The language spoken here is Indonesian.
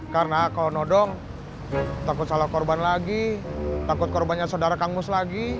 karena kalau nodong takut salah korban lagi takut korbannya saudara kangmus lagi